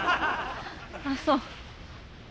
あっそう。